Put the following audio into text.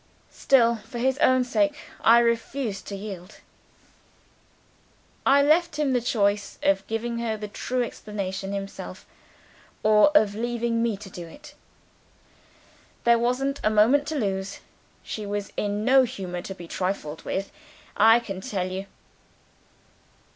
Still, for his own sake, I refused to yield. I left him the choice of giving her the true explanation himself, or of leaving me to do it. There wasn't a moment to lose; she was in no humour to be trifled with, I can tell you!